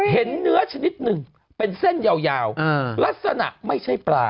เห็นเนื้อชนิดหนึ่งเป็นเส้นยาวลักษณะไม่ใช่ปลา